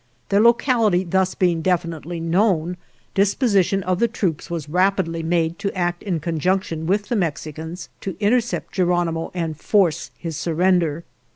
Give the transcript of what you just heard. " Their locality thus being definitely known, disposition of the troops was rapidly made to act in conjunction with the Mexi cans to intercept Geronimo and force his surrender.